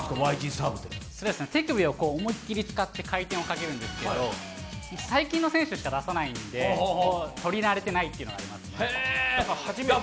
手首を思いっきり使って回転をかけるんですけど最近の選手しか出さないんで、とり慣れてないっていうのがあります。